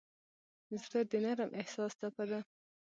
زړه د نرم احساس څپه ده.